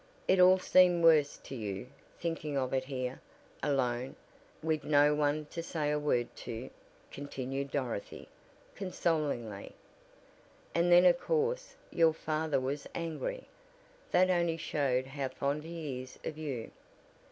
"It all seemed worse to you, thinking of it here, alone, with no one to say a word to you," continued Dorothy, consolingly. "And then of course, your father was angry. That only showed how fond he is of you."